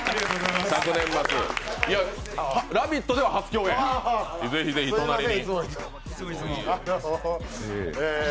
「ラヴィット！」では初共演、ぜひぜひ隣に。